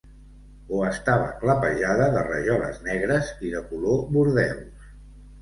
O estava clapejada de rajoles negres i de color bordeus.